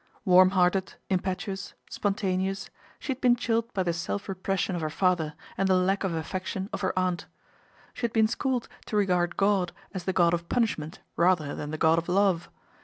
Warm hearted, impetuous spon taneous, she had been chilled by the self repression of her father, and the lack of affection of her aunt. She had been schooled to regard God as the God of punishment rather than the God of love.